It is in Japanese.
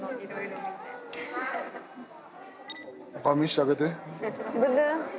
お顔見せてあげて。